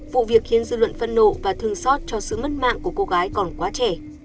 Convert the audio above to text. vụ việc khiến dư luận phân nộ và thương xót cho sự mất mạng của cô gái còn quá trẻ